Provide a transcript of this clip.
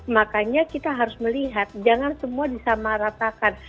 makanya kita harus melihat jangan semua disamaratakan